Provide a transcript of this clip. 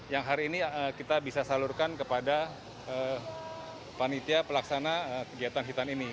yang hari ini kita bisa salurkan kepada panitia pelaksana kegiatan hitan ini